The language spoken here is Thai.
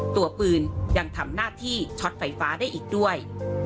ตัวปืนยังทำหน้าที่ช็อตไฟฟ้าได้อีกด้วย